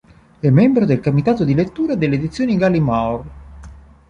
È membro del comitato di lettura delle edizioni Gallimard.